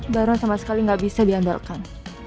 baru sama sekali gak bisa diandalkan